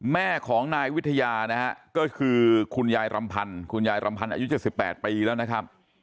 แม่ของนายวิทยานะฮะก็คือคุณยายรำพันธ์คุณยายรำพันธ์อายุ๗๘ปีแล้วนะครับ